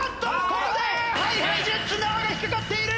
ここでＨｉＨｉＪｅｔｓ縄が引っかかっている！